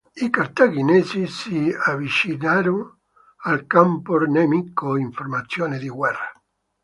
I cartaginesi si avvicinarono al campo nemico in formazione di guerra.